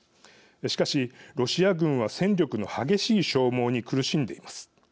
しかし、ロシア軍は戦力の激しい消耗に苦しんでいます。